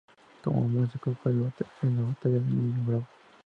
Como músico fue el batería de Nino Bravo.